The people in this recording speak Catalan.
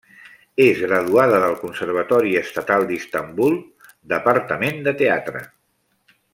És graduada del Conservatori Estatal d'Istanbul, departament de teatre.